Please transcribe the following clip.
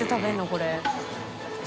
これ。